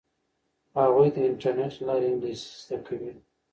هغوی د انټرنیټ له لارې انګلیسي زده کوي.